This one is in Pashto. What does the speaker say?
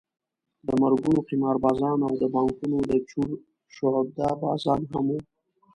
د مرګونو قماربازان او د بانکونو د چور شعبده بازان هم وو.